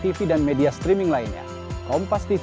bagaimana menjawab pertanyaan yang terakhir